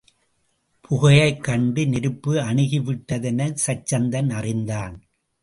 புகையைக் கண்டு நெருப்பு அணுகிவிட்டது எனச் சச்சந்தன் அறிந்தான்.